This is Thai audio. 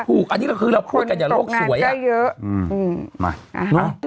ถูกอันนี้ก็คือเราพูดกันอย่างโลกสวยอ่ะคุณตกงานก็เยอะอืมอืมมาอ่าฮะ